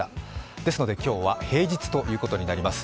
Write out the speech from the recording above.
ですので、今日は平日ということになります。